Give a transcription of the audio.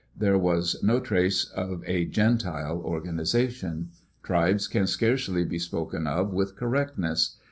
There was no trace of a gentile organization. Tribes can scarcely be spoken of with correctness.